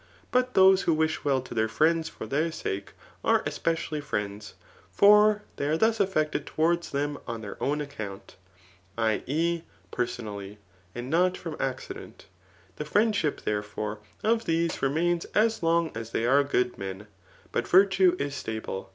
But those who wish well to their friends for their sake, are especially friends ; for they are thus aflFected towards them on their own account, £i. e. per* sonally,] and not from accident. The friendship, there fore, of these remains as long as they are good men } but virtue is stable.